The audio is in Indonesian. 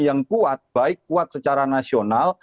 yang kuat baik kuat secara nasional